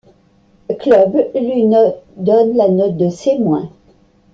Club, lui donne la note de C-.